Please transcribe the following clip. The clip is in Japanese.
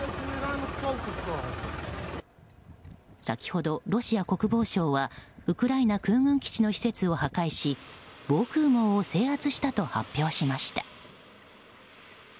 先ほどロシア国防省はウクライナ空軍基地の施設を破壊し防空網を制圧したと発表しました。